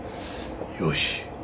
よし。